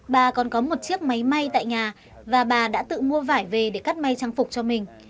bà còn có một chiếc máy may tại nhà và bà đã tự mua vải về để cắt may trang phục cho mình